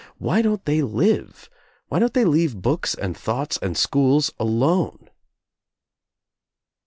Why don't they live? Why don't they leave books and thoughts and schools alone